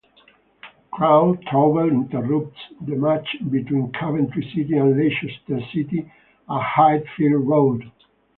Crowd trouble interrupts the match between Coventry City and Leicester City at Highfield Road.